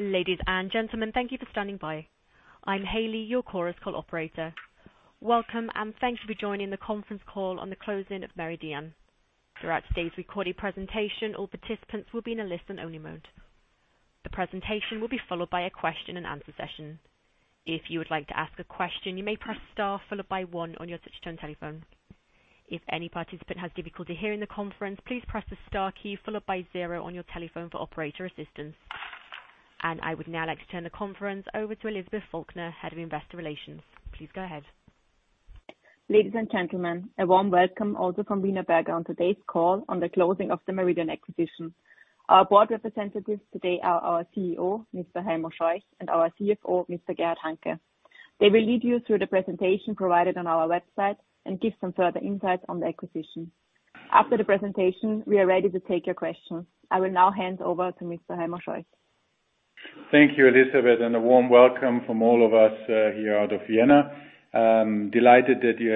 Ladies and gentlemen, thank you for standing by. I'm Haley, your Chorus Call operator. Welcome, and thanks for joining the conference call on the closing of Meridian. Throughout today's recorded presentation, all participants will be in a listen-only mode. The presentation will be followed by a question-and-answer session. If you would like to ask a question, you may press star followed by one on your touch-tone telephone. If any participant has difficulty hearing the conference, please press the star key followed by zero on your telephone for operator assistance. I would now like to turn the conference over to Elisabeth Falkner, Head of Investor Relations. Please go ahead. Ladies and gentlemen, a warm welcome also from Wienerberger on today's call on the closing of the Meridian acquisition. Our board representatives today are our CEO, Mr. Heimo Scheuch, and our CFO, Mr. Gerhard Hanke. They will lead you through the presentation provided on our website and give some further insights on the acquisition. After the presentation, we are ready to take your questions. I will now hand over to Mr. Heimo Scheuch. Thank you, Elisabeth, and a warm welcome from all of us here out of Vienna. Delighted that you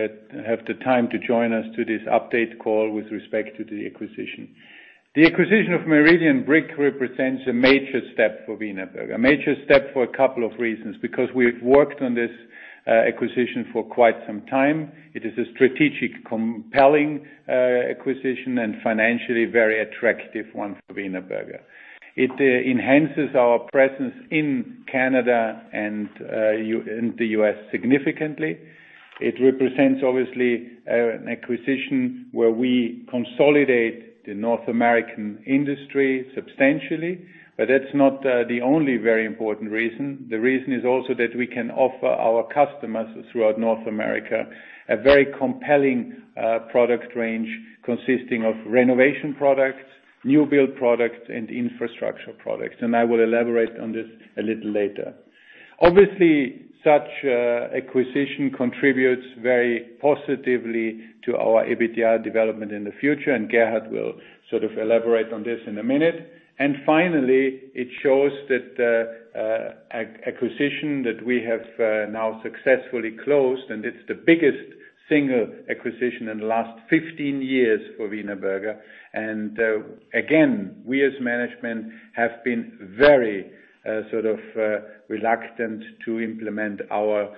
have the time to join us to this update call with respect to the acquisition. The acquisition of Meridian Brick represents a major step for Wienerberger. A major step for a couple of reasons. We've worked on this acquisition for quite some time, it is a strategic, compelling acquisition and financially very attractive one for Wienerberger. It enhances our presence in Canada and the U.S. significantly. It represents, obviously, an acquisition where we consolidate the North American industry substantially, that's not the only very important reason. The reason is also that we can offer our customers throughout North America a very compelling product range consisting of renovation products, new build products, and infrastructure products. I will elaborate on this a little later. Obviously, such acquisition contributes very positively to our EBITDA development in the future, and Gerhard will elaborate on this in a minute. Finally, it shows that acquisition that we have now successfully closed, and it's the biggest single acquisition in the last 15 years for Wienerberger. Again, we as management have been very reluctant to implement our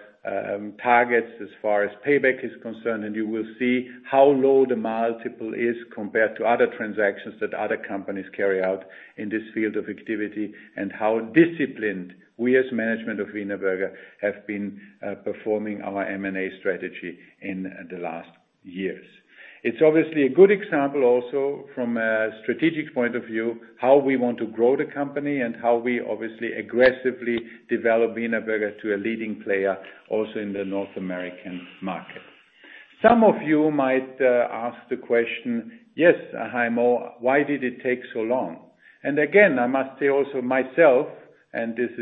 targets as far as payback is concerned, and you will see how low the multiple is compared to other transactions that other companies carry out in this field of activity, and how disciplined we as management of Wienerberger have been performing our M&A strategy in the last years. It's obviously a good example also from a strategic point of view, how we want to grow the company and how we obviously aggressively develop Wienerberger to a leading player also in the North American market. Some of you might ask the question, "Yes, Heimo, why did it take so long?" Again, I must say also myself, and this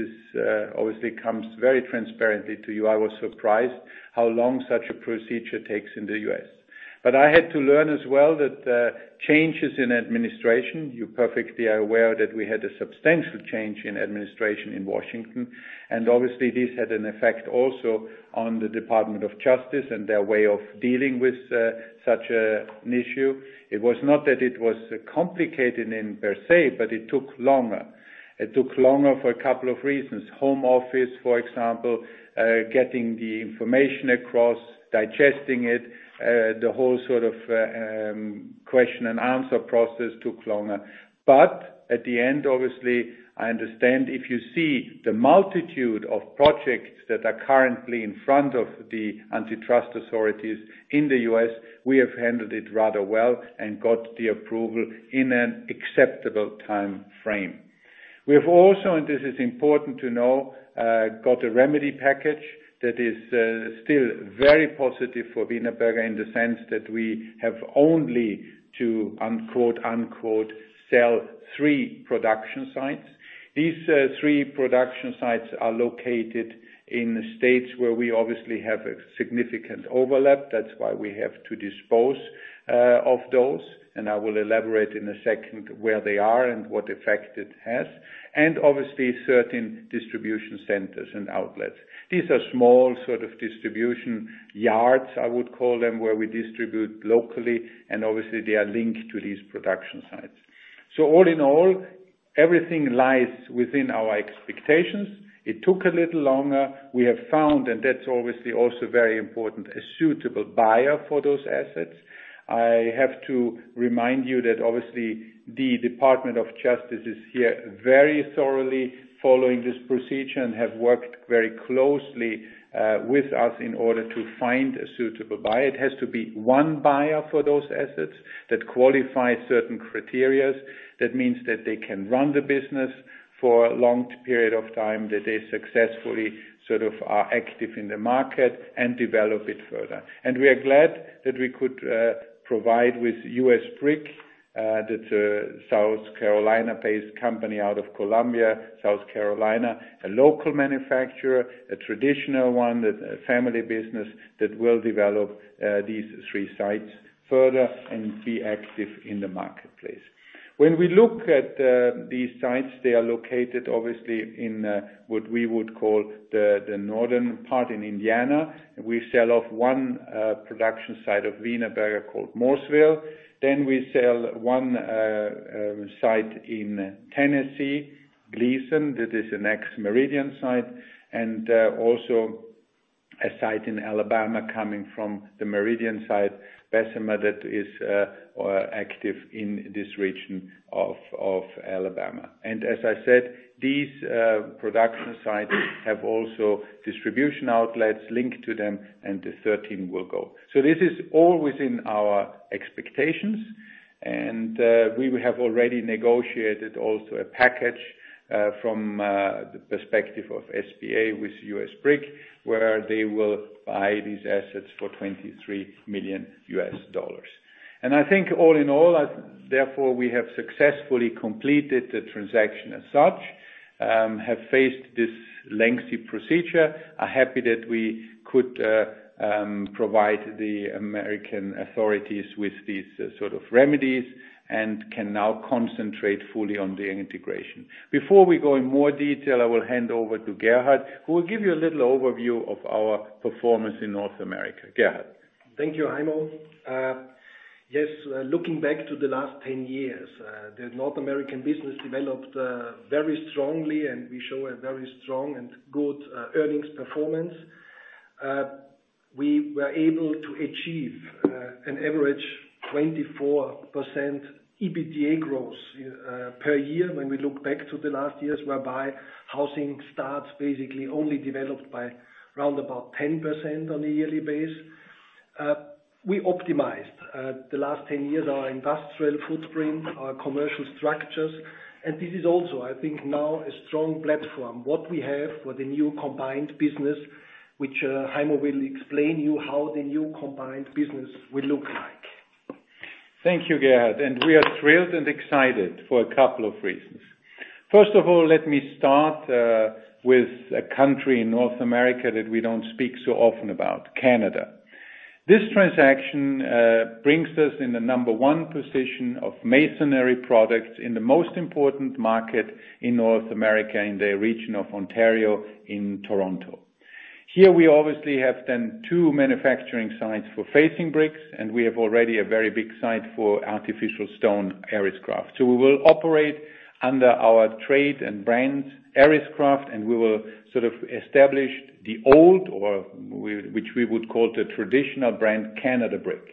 obviously comes very transparently to you, I was surprised how long such a procedure takes in the U.S. I had to learn as well that changes in administration, you're perfectly aware that we had a substantial change in administration in Washington, and obviously this had an effect also on the Department of Justice and their way of dealing with such an issue. It was not that it was complicated in per se, but it took longer. It took longer for a couple of reasons. Home Office, for example, getting the information across, digesting it, the whole sort of question-and-answer process took longer. At the end, obviously, I understand if you see the multitude of projects that are currently in front of the antitrust authorities in the U.S., we have handled it rather well and got the approval in an acceptable time frame. We have also, and this is important to know, got a remedy package that is still very positive for Wienerberger in the sense that we have only to, "Sell three production sites." These three production sites are located in the States where we obviously have a significant overlap. That's why we have to dispose of those, and I will elaborate in a second where they are and what effect it has. Obviously, certain distribution centers and outlets. These are small distribution yards, I would call them, where we distribute locally, and obviously they are linked to these production sites. All in all, everything lies within our expectations. It took a little longer. We have found, and that's obviously also very important, a suitable buyer for those assets. I have to remind you that obviously the Department of Justice is here very thoroughly following this procedure and have worked very closely with us in order to find a suitable buyer. It has to be one buyer for those assets that qualify certain criterias. That means that they can run the business for a long period of time, that they successfully are active in the market and develop it further. And we are glad that we could provide with US Brick, that South Carolina-based company out of Columbia, South Carolina, a local manufacturer, a traditional one, a family business that will develop these three sites further and be active in the marketplace. When we look at these sites, they are located obviously in what we would call the northern part in Indiana. We sell off one production site of Wienerberger called Mooresville. We sell one site in Tennessee, Gleason, that is an ex-Meridian site, and also a site in Alabama coming from the Meridian site, Bessemer, that is active in this region of Alabama. As I said, these production sites have also distribution outlets linked to them, and the 13 will go. This is all within our expectations, and we have already negotiated also a package from the perspective of SPA with US Brick, where they will buy these assets for $23 million. I think all in all, therefore, we have successfully completed the transaction as such, have faced this lengthy procedure, are happy that we could provide the American authorities with these sort of remedies, and can now concentrate fully on the integration. Before we go in more detail, I will hand over to Gerhard, who will give you a little overview of our performance in North America. Gerhard? Thank you, Heimo. Yes, looking back to the last 10 years, the North American business developed very strongly and we show a very strong and good earnings performance. We were able to achieve an average 24% EBITDA growth per year when we look back to the last years, whereby housing starts basically only developed by around about 10% on a yearly basis. We optimized, the last 10 years, our industrial footprint, our commercial structures, and this is also, I think, now a strong platform, what we have for the new combined business, which Heimo will explain you how the new combined business will look like. Thank you, Gerhard. We are thrilled and excited for a couple of reasons. First of all, let me start with a country in North America that we don't speak so often about, Canada. This transaction brings us in the number one position of masonry products in the most important market in North America, in the region of Ontario in Toronto. Here we obviously have then two manufacturing sites for facing bricks, and we have already a very big site for artificial stone, Arriscraft. We will operate under our trade and brand Arriscraft, and we will establish the old, or which we would call the traditional brand Canada Brick.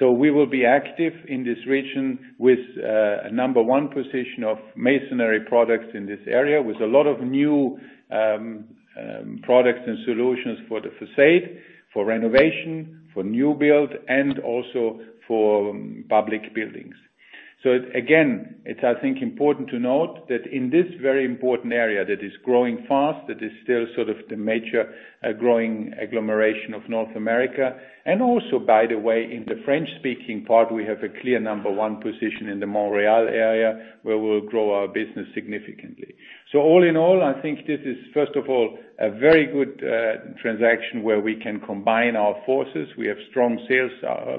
We will be active in this region with a number one position of masonry products in this area with a lot of new products and solutions for the facade, for renovation, for new build, and also for public buildings. Again, it's, I think, important to note that in this very important area that is growing fast, that is still sort of the major growing agglomeration of North America. Also, by the way, in the French-speaking part, we have a clear number one position in the Montreal area, where we'll grow our business significantly. All in all, I think this is, first of all, a very good transaction where we can combine our forces. We have strong sales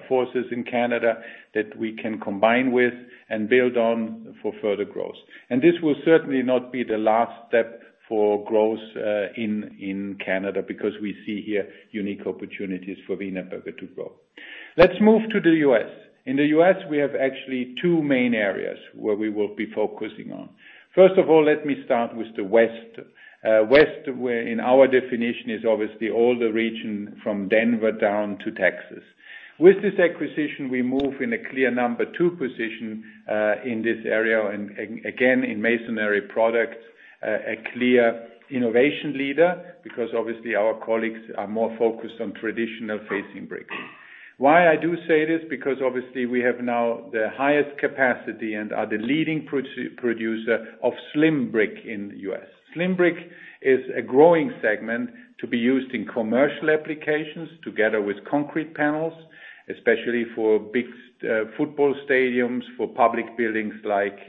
forces in Canada that we can combine with and build on for further growth. This will certainly not be the last step for growth in Canada, because we see here unique opportunities for Wienerberger to grow. Let's move to the U.S. In the U.S., we have actually two main areas where we will be focusing on. First of all, let me start with the West. West, in our definition, is obviously all the region from Denver down to Texas. With this acquisition, we move in a clear number two position in this area, and again, in masonry products, a clear innovation leader, because obviously our colleagues are more focused on traditional facing brick. Why I do say this? Because obviously we have now the highest capacity and are the leading producer of slim brick in the U.S. Slim brick is a growing segment to be used in commercial applications together with concrete panels, especially for big football stadiums, for public buildings like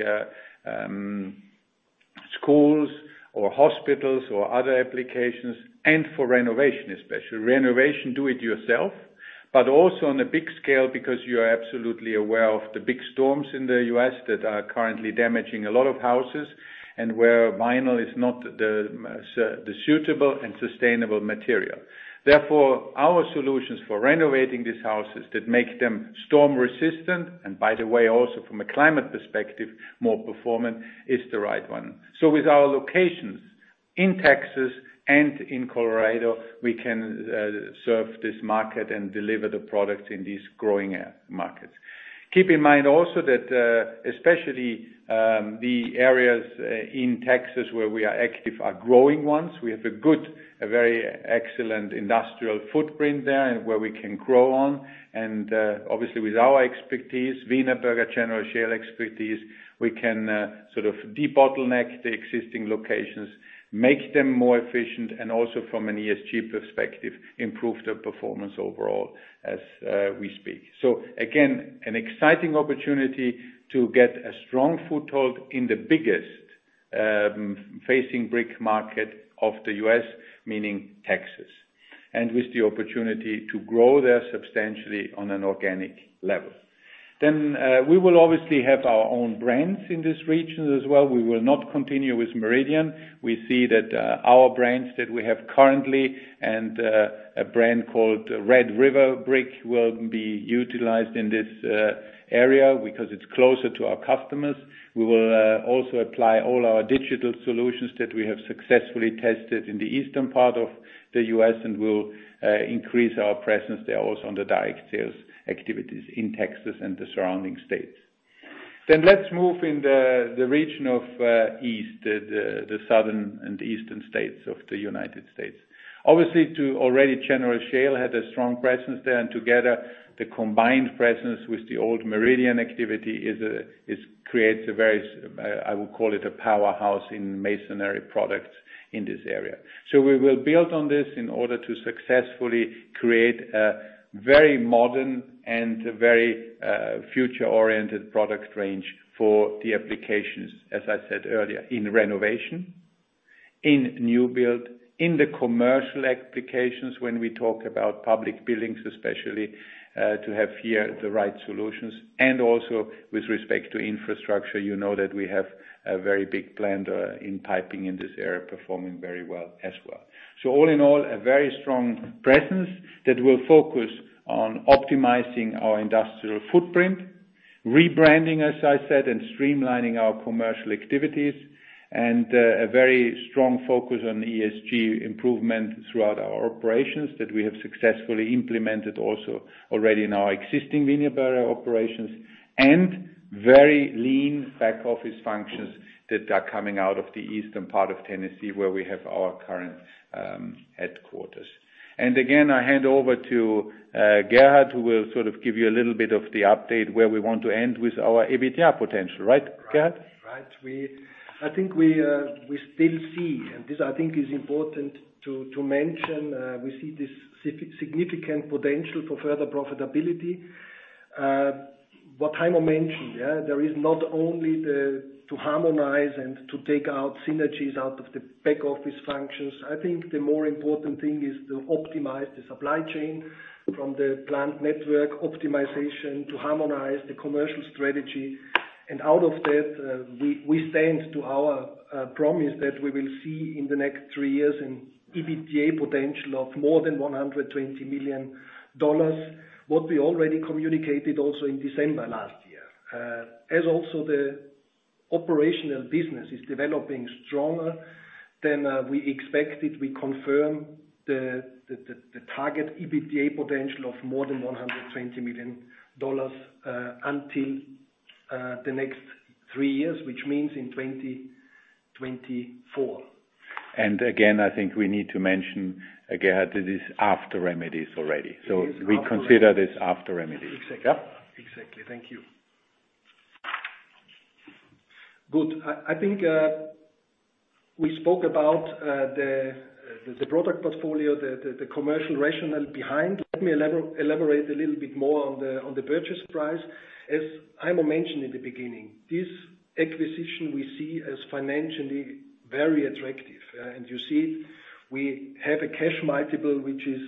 schools or hospitals or other applications, and for renovation, especially. Renovation, do it yourself, also on a big scale because you are absolutely aware of the big storms in the U.S. that are currently damaging a lot of houses and where vinyl is not the suitable and sustainable material. Our solutions for renovating these houses that make them storm resistant, and by the way, also from a climate perspective, more performant, is the right one. With our locations in Texas and in Colorado, we can serve this market and deliver the products in these growing markets. Keep in mind also that, especially the areas in Texas where we are active are growing ones. We have a good, a very excellent industrial footprint there and where we can grow on. Obviously with our expertise, Wienerberger General Shale expertise, we can sort of debottleneck the existing locations, make them more efficient, and also from an ESG perspective, improve their performance overall as we speak. Again, an exciting opportunity to get a strong foothold in the biggest facing brick market of the U.S., meaning Texas. With the opportunity to grow there substantially on an organic level. We will obviously have our own brands in this region as well. We will not continue with Meridian Brick. We see that our brands that we have currently and a brand called Red River Brick will be utilized in this area because it's closer to our customers. We will also apply all our digital solutions that we have successfully tested in the eastern part of the U.S., and we'll increase our presence there also on the direct sales activities in Texas and the surrounding states. Let's move in the region of east, the southern and eastern states of the U.S. Obviously, already General Shale had a strong presence there, and together the combined presence with the old Meridian Brick activity creates a very, I would call it, a powerhouse in masonry products in this area. We will build on this in order to successfully create a very modern and very future-oriented product range for the applications, as I said earlier, in renovation, in new build, in the commercial applications, when we talk about public buildings especially, to have here the right solutions. Also with respect to infrastructure, you know that we have a very big plant in piping in this area, performing very well as well. All in all, a very strong presence that will focus on optimizing our industrial footprint, rebranding, as I said, and streamlining our commercial activities, and a very strong focus on ESG improvement throughout our operations that we have successfully implemented also already in our existing Wienerberger operations, and very lean back office functions that are coming out of the eastern part of Tennessee where we have our current headquarters. Again, I hand over to Gerhard, who will give you a little bit of the update where we want to end with our EBITDA potential. Right, Gerhard? Right. I think we still see, and this I think is important to mention, we see this significant potential for further profitability. What Heimo mentioned. There is not only to harmonize and to take out synergies out of the back office functions. I think the more important thing is to optimize the supply chain from the plant network optimization to harmonize the commercial strategy. Out of that, we stand to our promise that we will see in the next three years an EBITDA potential of more than EUR 120 million. What we already communicated also in December last year. Also the operational business is developing stronger than we expected. We confirm the target EBITDA potential of more than EUR 120 million until the next three years, which means in 2024. Again, I think we need to mention, Gerhard, that is after remedies already. It is after remedies. We consider this after remedies. Exactly. Thank you. Good. I think we spoke about the product portfolio, the commercial rationale behind. Let me elaborate a little bit more on the purchase price. As Heimo mentioned in the beginning, this acquisition we see as financially very attractive. You see we have a cash multiple, which is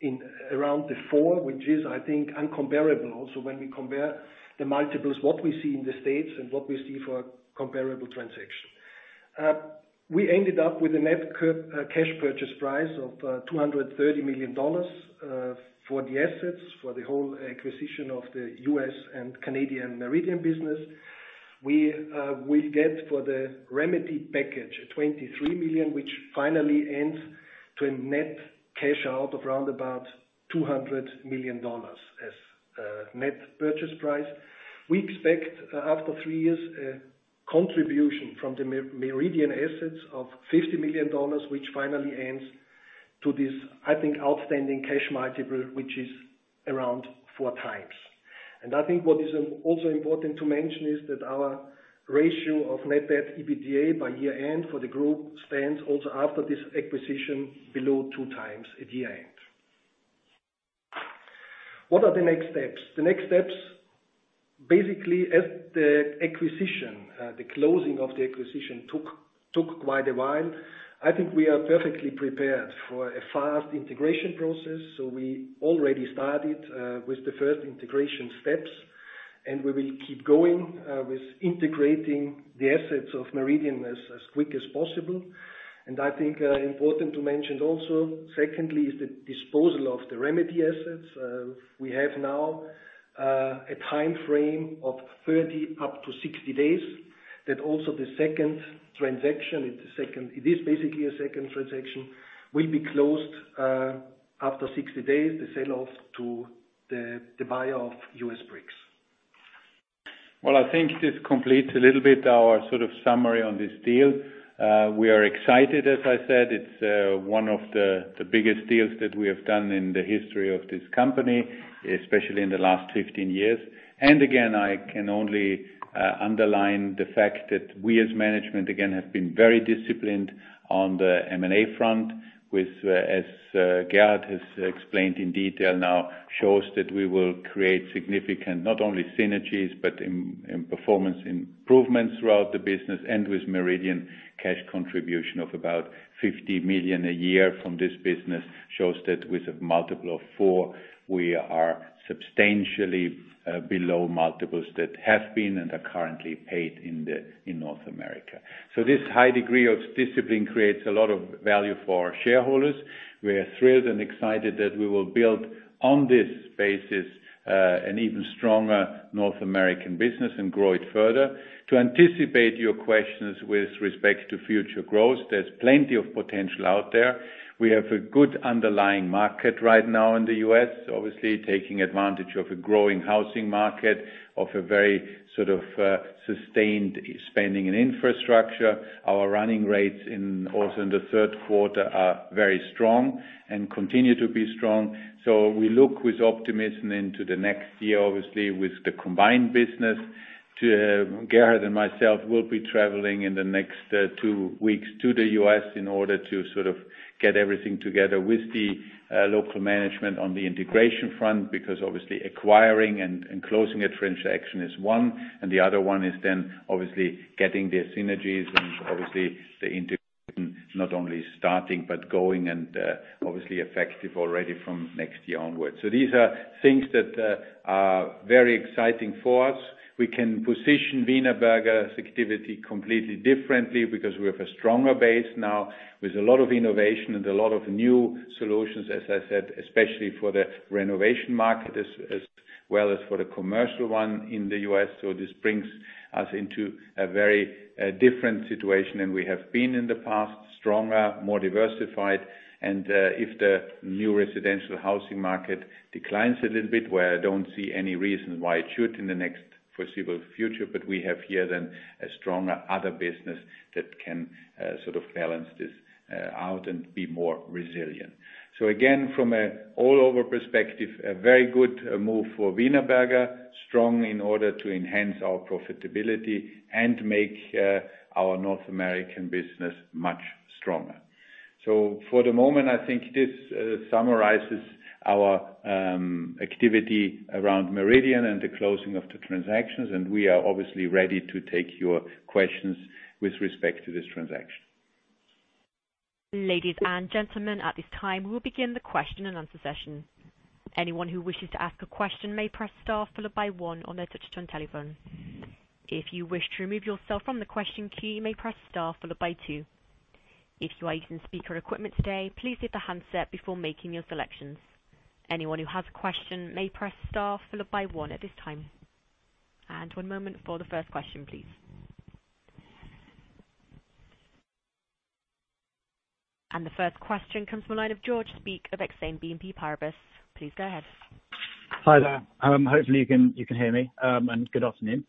in around the four, which is, I think, uncomparable also when we compare the multiples, what we see in the U.S. and what we see for comparable transaction. We ended up with a net cash purchase price of $230 million for the assets for the whole acquisition of the U.S. and Canadian Meridian Brick. We will get for the remedy package, $23 million, which finally ends to a net cash out of around about $200 million as net purchase price. We expect after three years contribution from the Meridian assets of EUR 50 million, which finally ends to this, I think, outstanding cash multiple, which is around 4x. What is also important to mention is that our ratio of Net Debt/EBITDA by year-end for the group stands also after this acquisition below 2x at year-end. What are the next steps? The next steps, basically as the acquisition, the closing of the acquisition took quite a while. I think we are perfectly prepared for a fast integration process. We already started with the first integration steps, and we will keep going with integrating the assets of Meridian as quick as possible. I think important to mention also, secondly, is the disposal of the remedy assets. We have now a time frame of 30 up to 60 days that also the second transaction will be closed after 60 days, the sell-off to the buyer of US Brick. Well, I think this completes a little bit our summary on this deal. We are excited, as I said. It's one of the biggest deals that we have done in the history of this company, especially in the last 15 years. Again, I can only underline the fact that we, as management, again, have been very disciplined on the M&A front with, as Gerhard has explained in detail now, shows that we will create significant, not only synergies, but performance improvements throughout the business. With Meridian, cash contribution of about 50 million a year from this business shows that with a multiple of four, we are substantially below multiples that have been and are currently paid in North America. This high degree of discipline creates a lot of value for our shareholders. We are thrilled and excited that we will build on this basis, an even stronger North American business and grow it further. To anticipate your questions with respect to future growth, there's plenty of potential out there. We have a good underlying market right now in the U.S., obviously taking advantage of a growing housing market, of a very sustained spending and infrastructure. Our running rates also in the third quarter are very strong and continue to be strong. We look with optimism into the next year, obviously, with the combined business. Gerhard and myself will be traveling in the next two weeks to the U.S. in order to get everything together with the local management on the integration front, because obviously acquiring and closing a transaction is one, and the other one is then obviously getting the synergies and obviously the integration not only starting, but going and obviously effective already from next year onwards. These are things that are very exciting for us. We can position Wienerberger's activity completely differently because we have a stronger base now with a lot of innovation and a lot of new solutions, as I said, especially for the renovation market as well as for the commercial one in the U.S. This brings us into a very different situation than we have been in the past, stronger, more diversified. If the new residential housing market declines a little bit, where I don't see any reason why it should in the next foreseeable future, but we have here then a stronger other business that can balance this out and be more resilient. Again, from an all over perspective, a very good move for Wienerberger, strong in order to enhance our profitability and make our North American business much stronger. For the moment, I think this summarizes our activity around Meridian and the closing of the transactions, and we are obviously ready to take your questions with respect to this transaction. Ladies and gentlemen, at this time, we'll begin the question-and-answer session. Anyone who wishes to ask a question may press star followed by one on their touch-tone telephone. If you wish to remove yourself from the question queue, you may press star followed by two. If you are using speaker equipment today, please hit the handset before making your selections. Anyone who has a question may press star followed by one at this time. One moment for the first question, please. The first question comes from the line of George Speak of Exane BNP Paribas. Please go ahead. Hi there. Hopefully you can hear me. Good afternoon.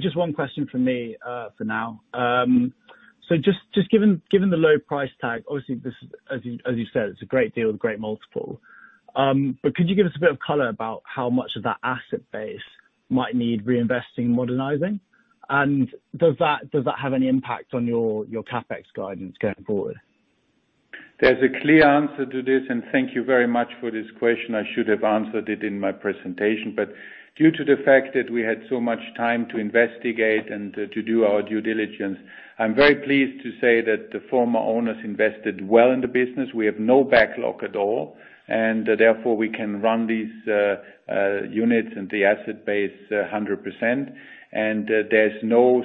Just one question from me for now. Just given the low price tag, obviously this, as you said, it's a great deal with great multiple. Could you give us a bit of color about how much of that asset base might need reinvesting, modernizing? Does that have any impact on your CapEx guidance going forward? There's a clear answer to this. Thank you very much for this question. I should have answered it in my presentation, due to the fact that we had so much time to investigate and to do our due diligence, I'm very pleased to say that the former owners invested well in the business. We have no backlog at all, therefore we can run these units and the asset base 100%. There's no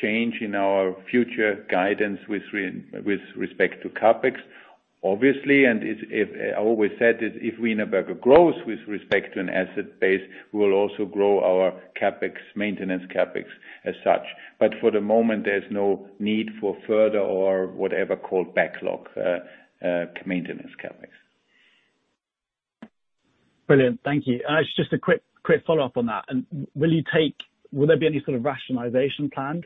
change in our future guidance with respect to CapEx, obviously. I always said that if Wienerberger grows with respect to an asset base, we will also grow our CapEx, maintenance CapEx as such. For the moment, there's no need for further or whatever called backlog maintenance CapEx. Brilliant. Thank you. Just a quick follow-up on that. Will there be any sort of rationalization planned,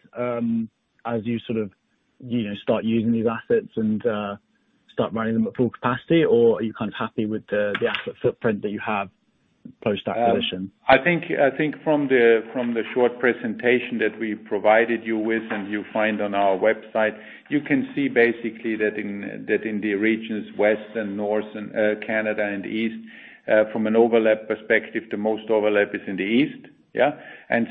as you start using these assets and start running them at full capacity? Or are you happy with the asset footprint that you have post-acquisition? I think from the short presentation that we provided you with and you find on our website, you can see basically that in the regions West and North Canada, and East, from an overlap perspective, the most overlap is in the East. Yeah.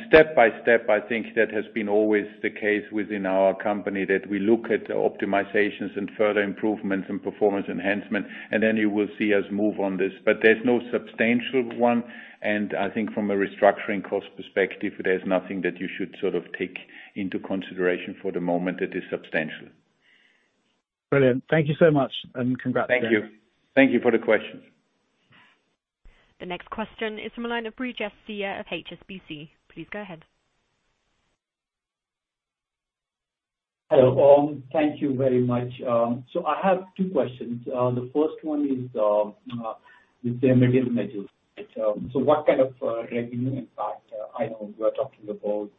Step by step, I think that has been always the case within our company that we look at optimizations and further improvements and performance enhancement. Then you will see us move on this. There's no substantial one. I think from a restructuring cost perspective, there's nothing that you should take into consideration for the moment that is substantial. Brilliant. Thank you so much, and congrats again. Thank you. Thank you for the questions. The next question is from the line of Brijesh Siya of HSBC. Please go ahead. Hello, all. Thank you very much. I have two questions. The first one is, with the remedial measures, what kind of revenue impact? I know you are talking about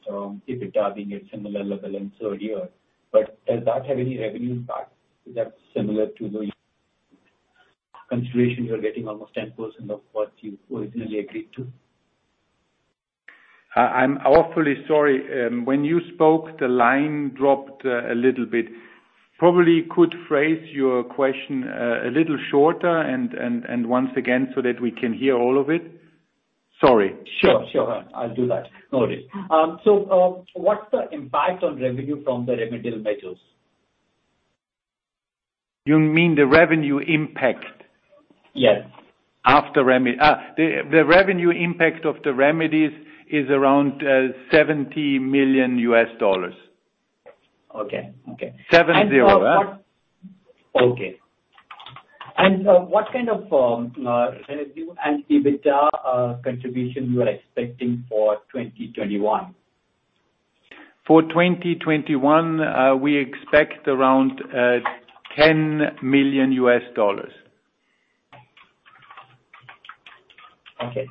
EBITDA being at similar level in third year, but does that have any revenue impact that's similar to the consideration you're getting, almost 10% of what you originally agreed to? I'm awfully sorry. When you spoke, the line dropped a little bit. Probably could phrase your question a little shorter, and once again, so that we can hear all of it. Sorry. Sure. I'll do that. No worry. What's the impact on revenue from the remedial measures? You mean the revenue impact? Yes. The revenue impact of the remedies is around $70 million. Okay. 70. Okay. What kind of revenue and EBITDA contribution you are expecting for 2021? For 2021, we expect around $10 million. Okay.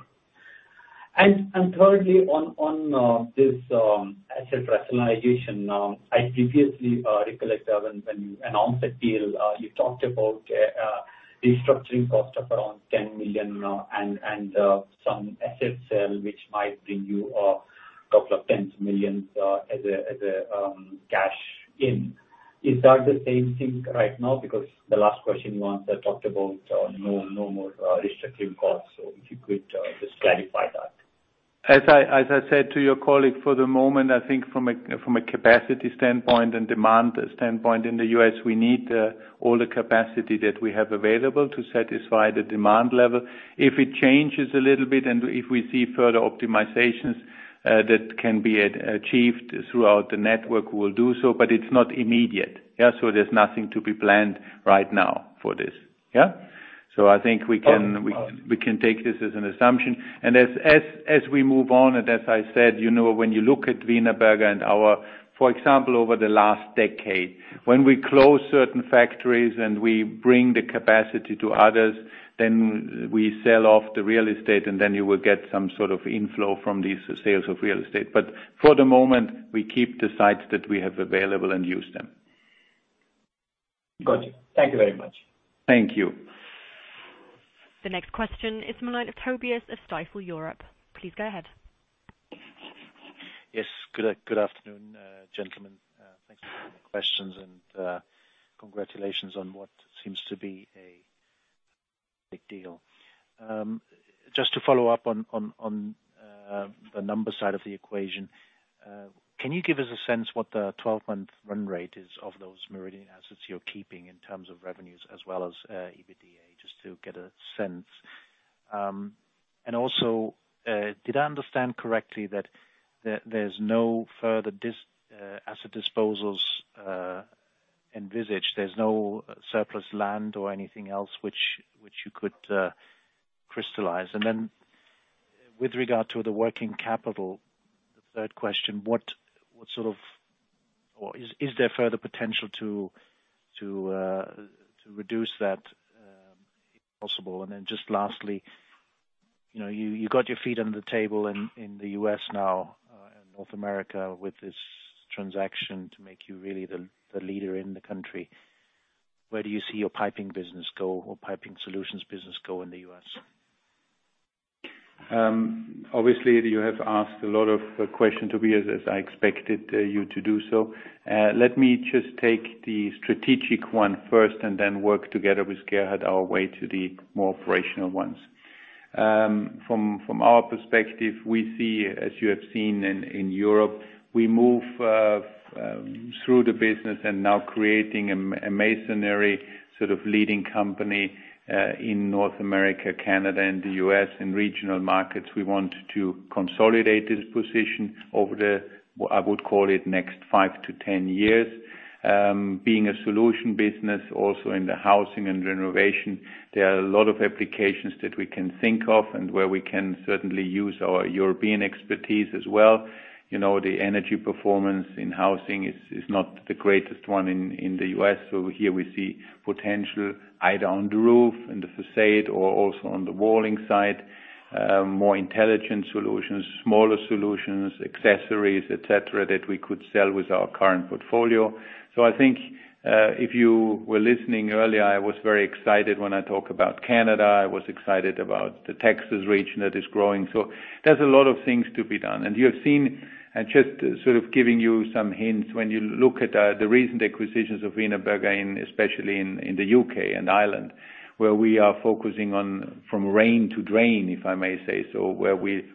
Thirdly, on this asset rationalization, I previously recollect, when you announced the deal, you talked about a restructuring cost of around 10 million and some asset sale, which might bring you a couple of tens of millions as a cash in. Is that the same thing right now? The last question you answered talked about no more restructuring costs. If you could just clarify that. As I said to your colleague, for the moment, I think from a capacity standpoint and demand standpoint in the U.S., we need all the capacity that we have available to satisfy the demand level. If it changes a little bit and if we see further optimizations that can be achieved throughout the network, we'll do so, but it's not immediate. Yeah, there's nothing to be planned right now for this. Yeah. I think we can take this as an assumption. As we move on, as I said, when you look at Wienerberger, for example, over the last decade, when we close certain factories and we bring the capacity to others, then we sell off the real estate, and then you will get some sort of inflow from these sales of real estate. For the moment, we keep the sites that we have available and use them. Got you. Thank you very much. Thank you. The next question is Tobias of Stifel Europe. Please go ahead. Yes. Good afternoon, gentlemen. Thanks for taking the questions, and congratulations on what seems to be a big deal. Just to follow up on the numbers side of the equation, can you give us a sense what the 12-month run rate is of those Meridian assets you're keeping in terms of revenues as well as EBITDA, just to get a sense? Did I understand correctly that there's no further asset disposals envisaged, there's no surplus land or anything else which you could crystallize? With regard to the working capital, the third question, is there further potential to reduce that if possible? Just lastly, you got your feet under the table in the U.S. now, in North America, with this transaction to make you really the leader in the country. Where do you see your piping business go or piping solutions business go in the U.S.? Obviously, you have asked a lot of questions, Tobias, as I expected you to do so. Let me just take the strategic one first and then work together with Gerhard our way to the more operational ones. From our perspective, we see as you have seen in Europe, we move through the business and now creating a masonry sort of leading company, in North America, Canada and the U.S. in regional markets. We want to consolidate this position over the, I would call it, next 5-10 years. Being a solution business also in the housing and renovation, there are a lot of applications that we can think of and where we can certainly use our European expertise as well. The energy performance in housing is not the greatest one in the U.S. Here we see potential either on the roof, in the facade or also on the walling side. More intelligent solutions, smaller solutions, accessories, et cetera, that we could sell with our current portfolio. I think, if you were listening earlier, I was very excited when I talk about Canada. I was excited about the Texas region that is growing. There's a lot of things to be done. You have seen, and just sort of giving you some hints, when you look at the recent acquisitions of Wienerberger, especially in the U.K. and Ireland, where we are focusing on From Rain to Drain, if I may say so,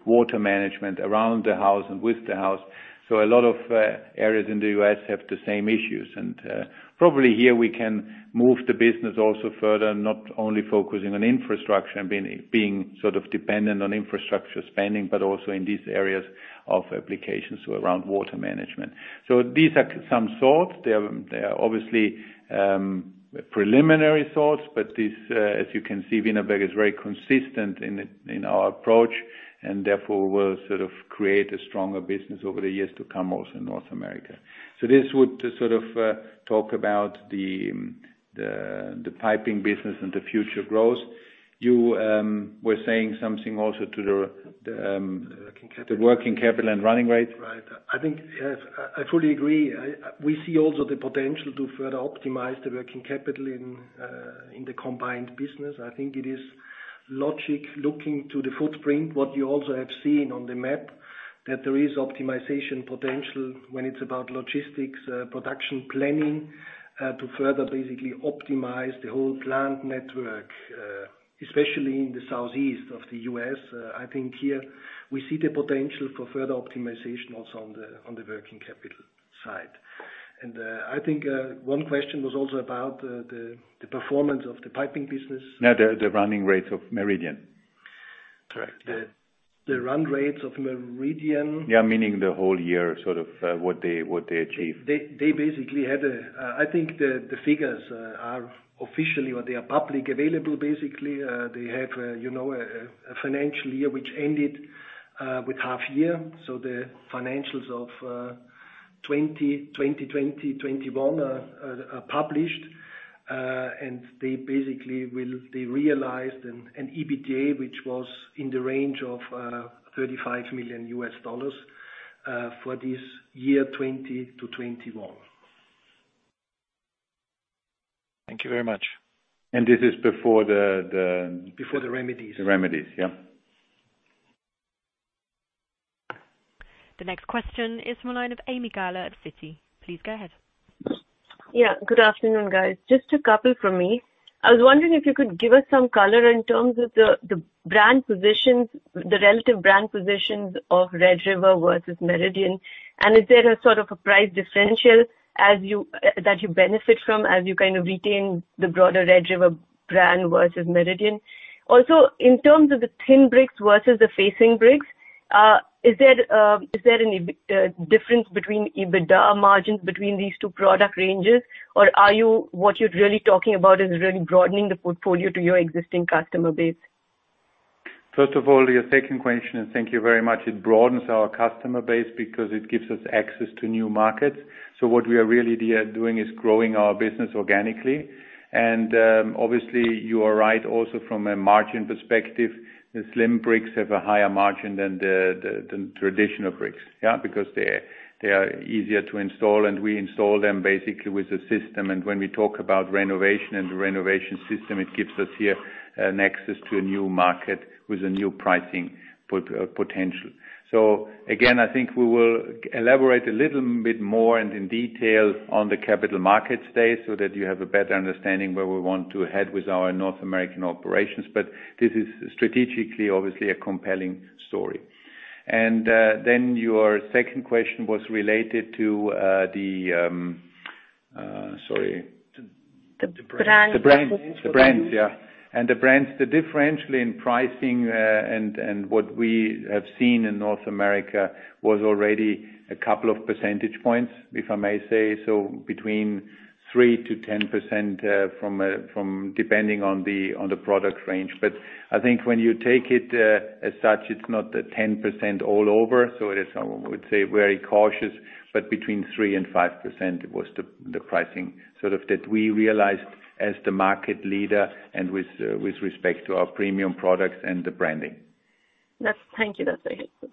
water management around the house and with the house. A lot of areas in the U.S. have the same issues. Probably here we can move the business also further, not only focusing on infrastructure and being sort of dependent on infrastructure spending, but also in these areas of applications around water management. These are some thoughts. They are obviously preliminary thoughts, but as you can see, Wienerberger is very consistent in our approach and therefore will sort of create a stronger business over the years to come also in North America. This would sort of talk about the piping business and the future growth. You were saying something also to the working capital and running rate. Right. I think, yes, I truly agree. We see also the potential to further optimize the working capital in the combined business. I think it is logical looking to the footprint, what you also have seen on the map, that there is optimization potential when it's about logistics, production planning, to further basically optimize the whole plant network, especially in the Southeast of the U.S. I think here we see the potential for further optimization also on the working capital side. I think one question was also about the performance of the piping business. No, the running rates of Meridian. Correct. Yeah. The run rates of Meridian Brick Yeah, meaning the whole year, sort of what they achieve. I think the figures are officially what they are publicly available, basically. They have a financial year which ended with half year, so the financials of 2020, 2021 are published. They basically realized an EBITDA, which was in the range of $35 million for this year 2020 to 2021. Thank you very much. And this is before the- Before the remedies. The remedies. Yeah. The next question is from the line of Ami Galla at Citi. Please go ahead. Yeah. Good afternoon, guys. Just a couple from me. I was wondering if you could give us some color in terms of the brand positions, the relative brand positions of Red River versus Meridian? Is there a sort of a price differential that you benefit from as you kind of retain the broader Red River brand versus Meridian? In terms of the thin bricks versus the facing bricks, is there any difference between EBITDA margins between these two product ranges? Are you, what you're really talking about is really broadening the portfolio to your existing customer base? First of all, your second question, thank you very much. It broadens our customer base because it gives us access to new markets. What we are really doing is growing our business organically. Obviously you are right also from a margin perspective, the slim bricks have a higher margin than the traditional bricks. Yeah? Because they are easier to install, and we install them basically with a system. When we talk about renovation and the renovation system, it gives us here an access to a new market with a new pricing potential. Again, I think we will elaborate a little bit more and in detail on the capital markets day, so that you have a better understanding where we want to head with our North American operations. This is strategically, obviously a compelling story. Your second question was related to the. The brands. The brands. The brands, yeah. The brands, the differential in pricing, what we have seen in North America was already a couple of percentage points, if I may say so. Between 3%-10%, depending on the product range. I think when you take it as such, it's not a 10% all over. It is, I would say very cautious, but between 3% and 5% was the pricing sort of that we realized as the market leader and with respect to our premium products and the branding. Thank you. That's very helpful.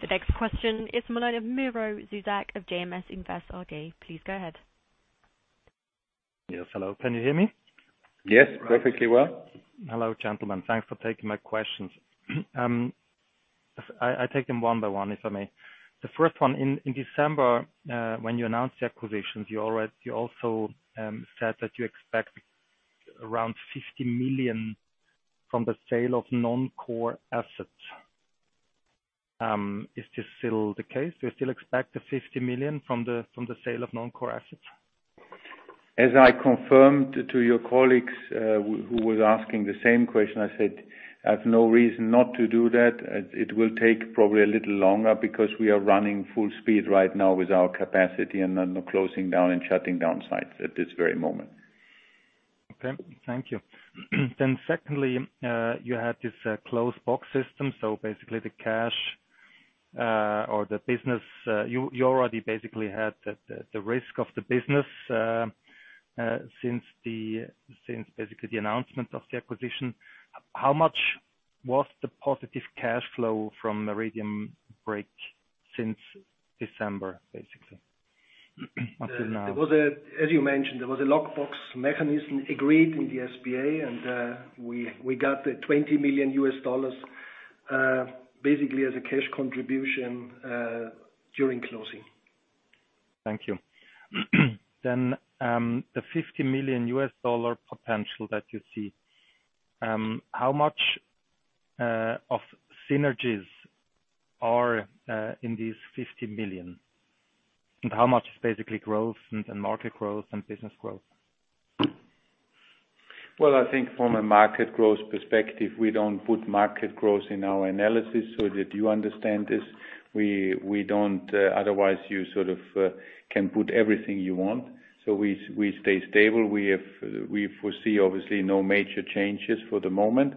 The next question is the line of Miro Zuzak of JMS Invest AG. Please go ahead. Yes. Hello? Can you hear me? Yes, perfectly well. Hello, gentlemen. Thanks for taking my questions. I take them one by one, if I may. The first one, in December, when you announced the acquisitions, you also said that you expect around 50 million from the sale of non-core assets. Is this still the case? Do you still expect the 50 million from the sale of non-core assets? As I confirmed to your colleagues, who was asking the same question, I said I have no reason not to do that. It will take probably a little longer because we are running full speed right now with our capacity and not closing down and shutting down sites at this very moment. Okay. Thank you. Secondly, you had this lockbox system. Basically the cash, or the business, you already basically had the risk of the business since basically the announcement of the acquisition. How much was the positive cash flow from the Meridian Brick since December, basically, up to now? As you mentioned, there was a lockbox mechanism agreed in the SPA, and we got the $20 million basically as a cash contribution, during closing. Thank you. The $50 million potential that you see, how much of synergies are in these $50 million, and how much is basically growth and market growth and business growth? Well, I think from a market growth perspective, we don't put market growth in our analysis so that you understand this. Otherwise you sort of can put everything you want. We stay stable. We foresee obviously no major changes for the moment.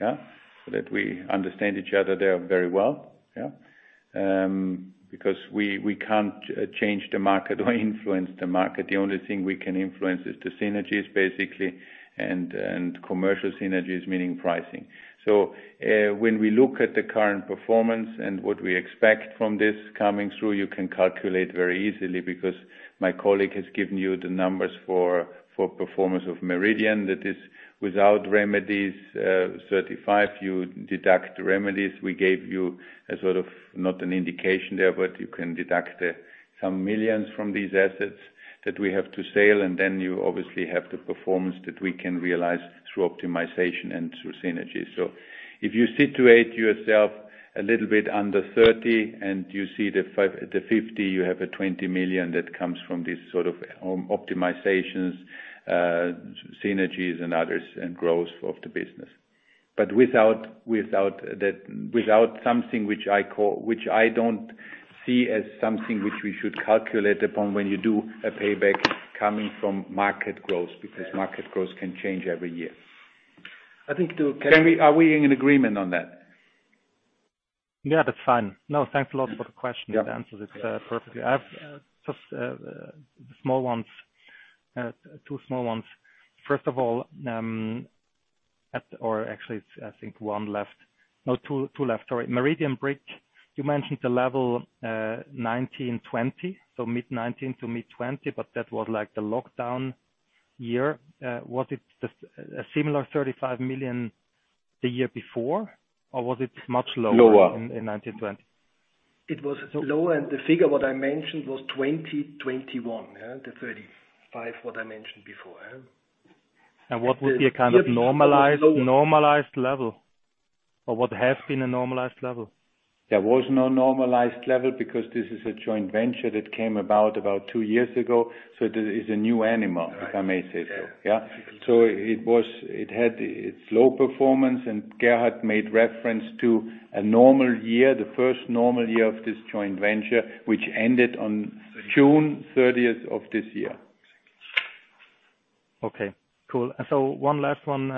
Yeah. That we understand each other there very well. Because we can't change the market or influence the market. The only thing we can influence is the synergies, basically, and commercial synergies, meaning pricing. When we look at the current performance and what we expect from this coming through, you can calculate very easily, because my colleague has given you the numbers for performance of Meridian, that is without remedies, 35 million. You deduct the remedies. We gave you, sort of, not an indication there, but you can deduct some millions from these assets that we have to sell. You obviously have the performance that we can realize through optimization and through synergies. If you situate yourself a little bit under $30 million and you see the $50 million, you have a $20 million that comes from these sort of optimizations, synergies and others, and growth of the business. Without something which I don't see as something which we should calculate upon when you do a payback coming from market growth, because market growth can change every year. I think. Are we in agreement on that? Yeah, that's fine. No, thanks a lot for the question. Yeah. It answers it perfectly. I have just two small ones. First of all, or actually, I think one left. No, two left, sorry. Meridian Brick, you mentioned the level, 19, 20, so mid 19 to mid 20, but that was the lockdown year. Was it a similar 35 million the year before, or was it much lower- Lower in 1920? It was lower, and the figure what I mentioned was 2021. The 35 million what I mentioned before. What would be a kind of normalized level? What has been a normalized level? There was no normalized level because this is a joint venture that came about two years ago. This is a new animal, if I may say so. Yeah. It had its low performance, and Gerhard made reference to a normal year, the first normal year of this joint venture, which ended on June 30th of this year. Okay, cool. One last one.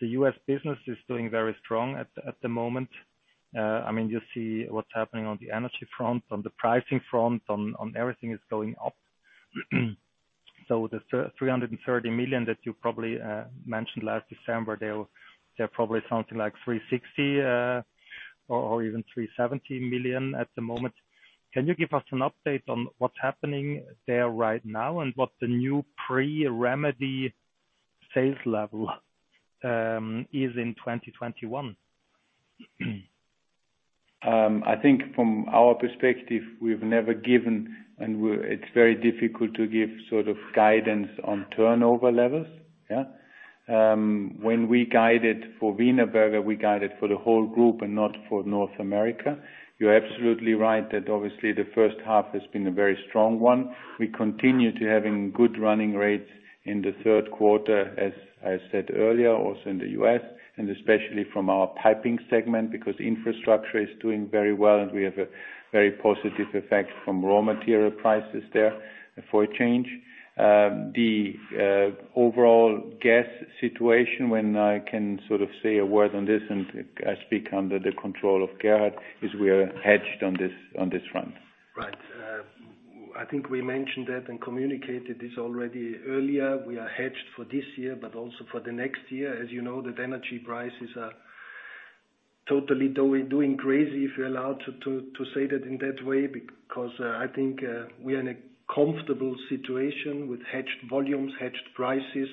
The U.S. business is doing very strong at the moment. You see what's happening on the energy front, on the pricing front, on everything is going up. The 330 million that you probably mentioned last December, they're probably something like 360 or even 370 million at the moment. Can you give us an update on what's happening there right now and what the new pre-remedy sales level is in 2021? I think from our perspective, we've never given, and it's very difficult to give sort of guidance on turnover levels. When we guided for Wienerberger, we guided for the whole group and not for North America. You're absolutely right that obviously the first half has been a very strong one. We continue to having good running rates in the third quarter, as I said earlier, also in the U.S., and especially from our piping segment, because infrastructure is doing very well, and we have a very positive effect from raw material prices there for a change. The overall gas situation, when I can sort of say a word on this, and I speak under the control of Gerhard, is we are hedged on this front. Right. I think we mentioned that and communicated this already earlier. We are hedged for this year, but also for the next year. As you know, the energy prices are totally doing crazy, if you're allowed to say that in that way, because I think we are in a comfortable situation with hedged volumes, hedged prices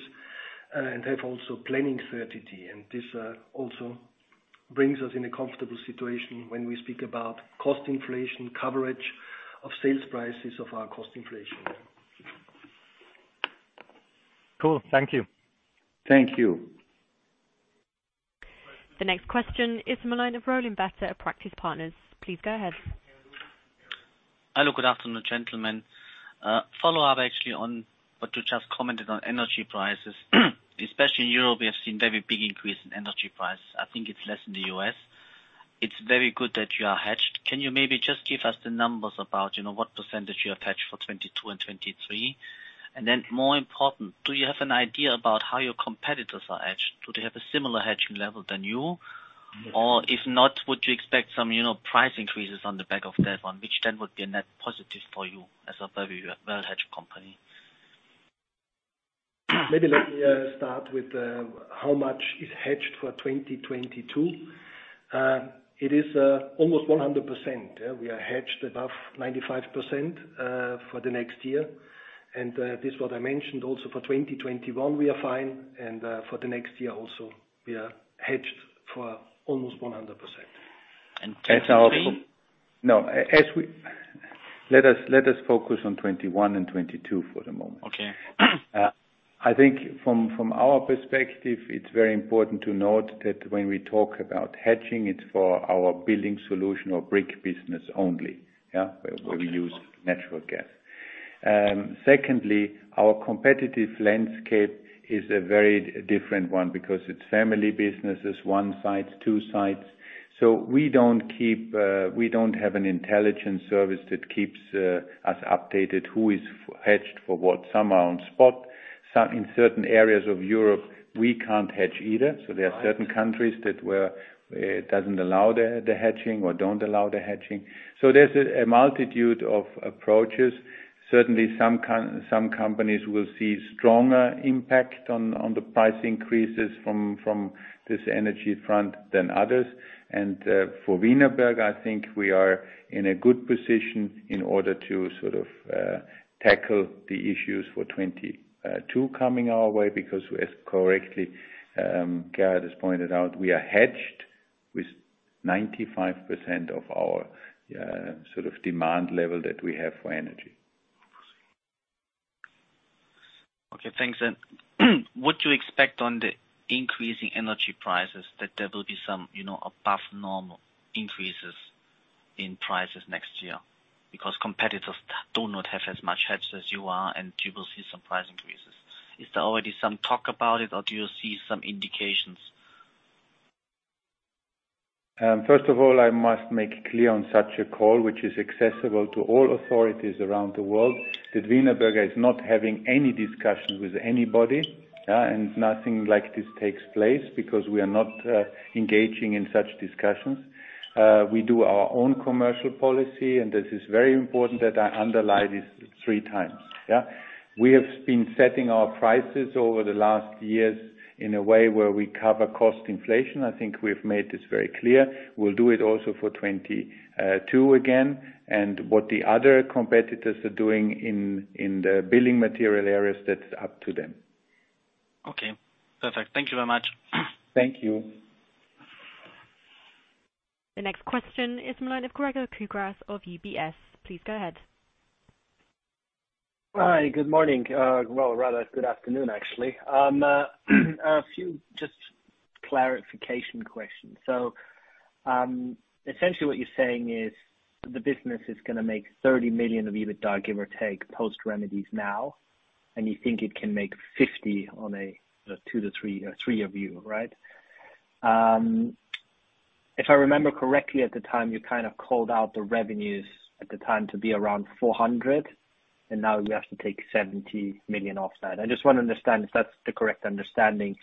and have also planning certainty. This also brings us in a comfortable situation when we speak about cost inflation, coverage of sales prices of our cost inflation. Cool. Thank you. Thank you. The next question is [Melina Rollingbetter at Practice Partners]. Please go ahead. Hello, good afternoon, gentlemen. Follow-up actually on what you just commented on energy prices. Especially in Europe, we have seen very big increase in energy prices. I think it's less in the U.S. It's very good that you are hedged. Can you maybe just give us the numbers about what percentage you have hedged for 2022 and 2023? More important, do you have an idea about how your competitors are hedged? Do they have a similar hedging level than you? If not, would you expect some price increases on the back of that one, which then would be a net positive for you as a very well-hedged company? Maybe let me start with how much is hedged for 2022. It is almost 100%. We are hedged above 95% for the next year. This what I mentioned also for 2021, we are fine, and for the next year also, we are hedged for almost 100%. 2023? No. Let us focus on 2021 and 2022 for the moment. Okay. I think from our perspective, it's very important to note that when we talk about hedging, it's for our building solution or brick business only, where we use natural gas. Secondly, our competitive landscape is a very different one because it's family businesses, one site, two sites. We don't have an intelligent service that keeps us updated who is hedged for what. Some are on spot. In certain areas of Europe. We can't hedge either. There are certain countries that where it doesn't allow the hedging or don't allow the hedging. There's a multitude of approaches. Certainly, some companies will see stronger impact on the price increases from this energy front than others. For Wienerberger, I think we are in a good position in order to sort of tackle the issues for 2022 coming our way, because as correctly, Gerhard has pointed out, we are hedged with 95% of our sort of demand level that we have for energy. Okay, thanks. Would you expect on the increasing energy prices that there will be some above normal increases in prices next year because competitors do not have as much hedge as you are and you will see some price increases? Is there already some talk about it, or do you see some indications? First of all, I must make clear on such a call, which is accessible to all authorities around the world, that Wienerberger is not having any discussions with anybody. Nothing like this takes place because we are not engaging in such discussions. We do our own commercial policy, this is very important that I underline this three times. We have been setting our prices over the last years in a way where we cover cost inflation. I think we've made this very clear. We'll do it also for 2022 again. What the other competitors are doing in the building material areas, that's up to them. Okay. Perfect. Thank you very much. Thank you. The next question is the line of Gregor Kuglitsch of UBS. Please go ahead. Hi. Good morning. Well, rather good afternoon, actually. A few just clarification questions. Essentially what you're saying is the business is going to make 30 million of EBITDA, give or take, post remedies now, and you think it can make 50 million on a two to three or three of view, right? If I remember correctly, at the time, you kind of called out the revenues at the time to be around 400 million, and now you have to take 70 million off that. I just want to understand if that's the correct understanding,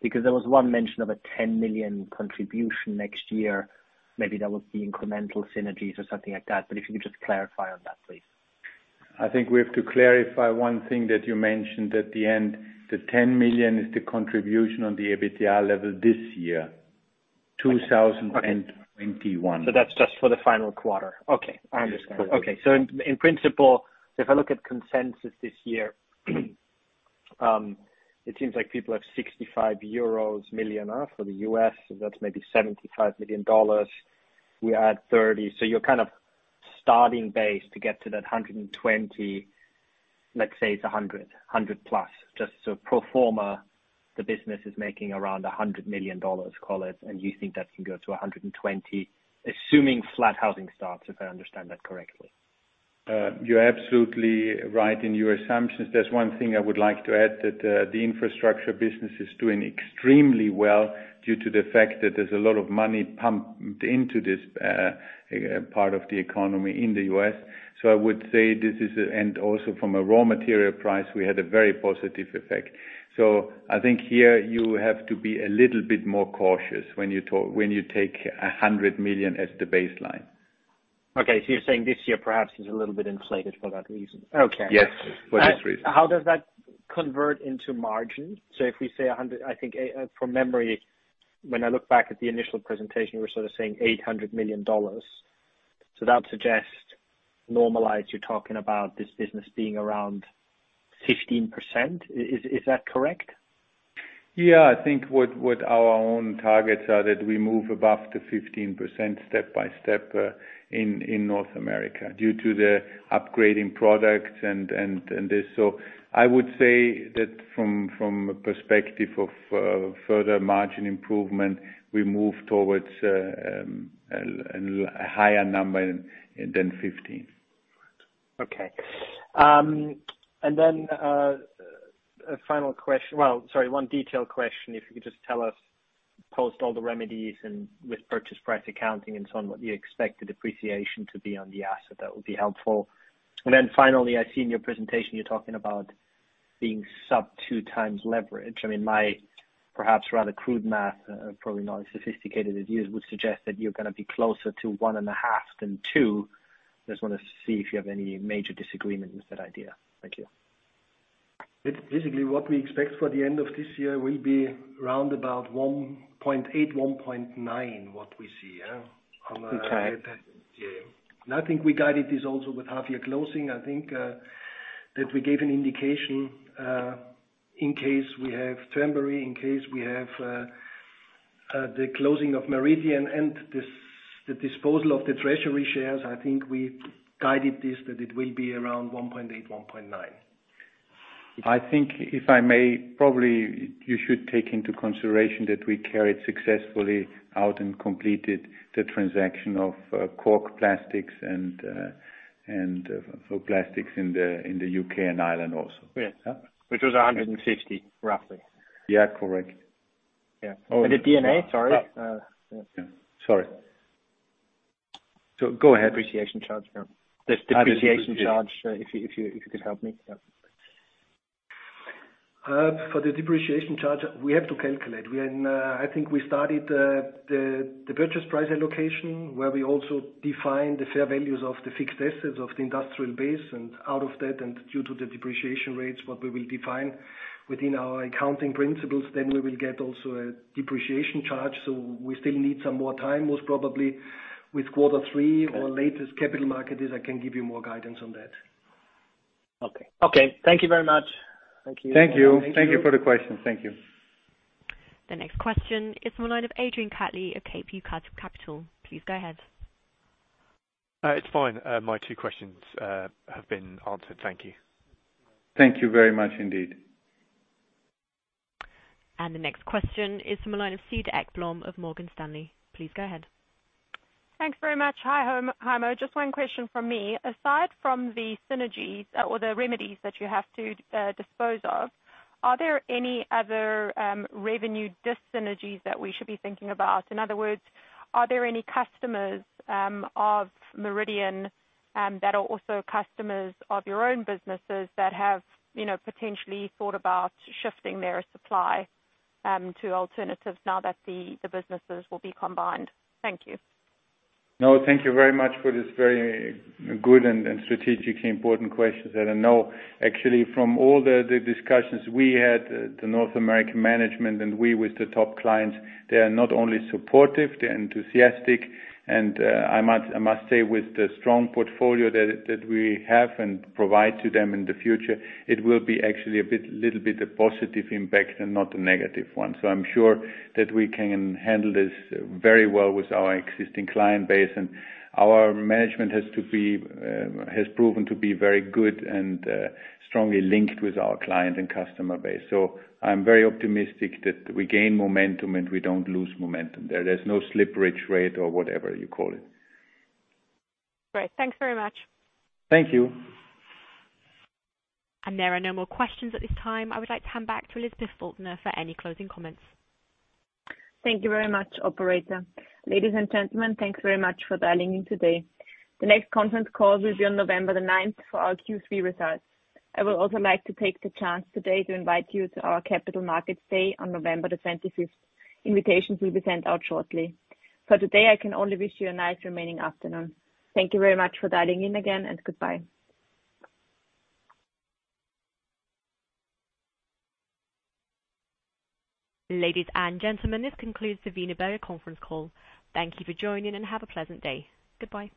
because there was one mention of a 10 million contribution next year, maybe that was the incremental synergies or something like that. If you could just clarify on that, please. I think we have to clarify one thing that you mentioned at the end. The 10 million is the contribution on the EBITDA level this year, 2021. That's just for the final quarter. Okay. I understand. Okay. In principle, if I look at consensus this year, it seems like people have 65 million euros, for the U.S., that's maybe $75 million. We add $30 million. Your kind of starting base to get to that $120 million, let's say it's +$100 million. Just so pro forma, the business is making around $100 million call it, and you think that can go to $120 million, assuming flat housing starts, if I understand that correctly. You're absolutely right in your assumptions. There's one thing I would like to add that the infrastructure business is doing extremely well due to the fact that there's a lot of money pumped into this part of the economy in the U.S. I would say and also from a raw material price, we had a very positive effect. I think here you have to be a little bit more cautious when you take $100 million as the baseline. Okay. You're saying this year perhaps is a little bit inflated for that reason. Okay. Yes. For this reason. How does that convert into margin? If we say $100 million, I think from memory, when I look back at the initial presentation, we're sort of saying $800 million. That would suggest normalized, you're talking about this business being around 15%. Is that correct? Yeah. I think what our own targets are that we move above the 15% step by step in North America due to the upgrading products and this. I would say that from a perspective of further margin improvement, we move towards a higher number than 15%. Okay. A final question. Sorry, one detailed question. If you could just tell us, post all the remedies and with purchase price allocation and so on, what you expect the depreciation to be on the asset, that would be helpful. Finally, I see in your presentation you're talking about being sub 2x leverage. My perhaps rather crude math, probably not as sophisticated as yours, would suggest that you're going to be closer to 1.5x than 2x. I just want to see if you have any major disagreement with that idea. Thank you. Basically, what we expect for the end of this year will be round about 1.8x, 1.9x, what we see. Yeah. Okay. I think we guided this also with half year closing. I think that we gave an indication, in case we have Tenbury, in case we have the closing of Meridian and the disposal of the treasury shares. I think we guided this that it will be around 1.8x, 1.9x. I think if I may, probably you should take into consideration that we carried successfully out and completed the transaction of Cork Plastics and FloPlast in the U.K. and Ireland also. Yes. Which was 150, roughly. Yeah. Correct. Yeah. The D&A, sorry. Sorry. Go ahead. Depreciation charge, yeah. The depreciation charge. Depreciation charge, if you could help me. Yeah. For the depreciation charge, we have to calculate. I think we started the purchase price allocation, where we also define the fair values of the fixed assets of the industrial base and out of that and due to the depreciation rates, what we will define within our accounting principles, then we will get also a depreciation charge. We still need some more time, most probably with quarter three or latest capital market is I can give you more guidance on that. Okay. Thank you very much. Thank you. Thank you for the question. Thank you. The next question is from the line of [Adrian Catley of KP Capital]. Please go ahead. It is fine. My two questions have been answered. Thank you. Thank you very much indeed. The next question is from the line of Cedar Ekblom of Morgan Stanley. Please go ahead. Thanks very much. Hi, Heimo. Just one question from me. Aside from the synergies or the remedies that you have to dispose of, are there any other revenue dis-synergies that we should be thinking about? In other words, are there any customers of Meridian that are also customers of your own businesses that have potentially thought about shifting their supply to alternatives now that the businesses will be combined? Thank you. No, thank you very much for this very good and strategically important question. I know actually from all the discussions we had, the North American management and we with the top clients, they are not only supportive, they are enthusiastic and I must say with the strong portfolio that we have and provide to them in the future, it will be actually a little bit a positive impact and not a negative one. I'm sure that we can handle this very well with our existing client base, and our management has proven to be very good and strongly linked with our client and customer base. I'm very optimistic that we gain momentum and we don't lose momentum. There's no slippage rate or whatever you call it. Great. Thanks very much. Thank you. There are no more questions at this time. I would like to hand back to Elisabeth Falkner for any closing comments. Thank you very much, operator. Ladies and gentlemen, thanks very much for dialing in today. The next conference call will be on November the 9th for our Q3 results. I would also like to take the chance today to invite you to our Capital Markets Day on November the 25th. Invitations will be sent out shortly. For today, I can only wish you a nice remaining afternoon. Thank you very much for dialing in again, and goodbye. Ladies and gentlemen, this concludes the Wienerberger conference call. Thank you for joining, and have a pleasant day. Goodbye.